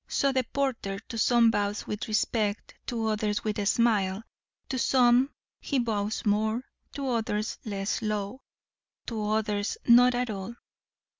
so the porter to some bows with respect, to others with a smile, to some he bows more, to others less low, to others not at all.